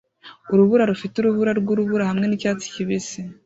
Urubura rufite urubura rwubururu hamwe nicyatsi kibisi